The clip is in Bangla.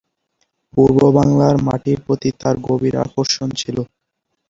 পূর্ব বাংলার মাটির প্রতি তার গভীর আকর্ষণ ছিল।